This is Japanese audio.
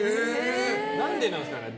何でなんですかね。